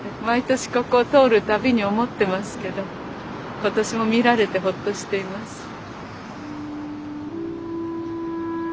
毎年ここを通る度に思ってますけど今年も見られてホッとしています。